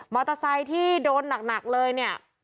ไซค์ที่โดนหนักเลยเนี่ย